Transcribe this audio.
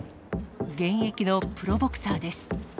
現役のプロボクサーです。